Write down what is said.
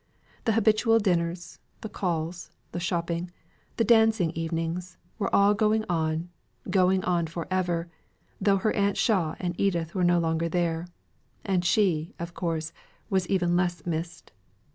The habitual dinners, the calls, the dancing evenings, were all going on, going on for ever, though her Aunt Shaw and Edith were no longer there; and she, of course, was even less missed.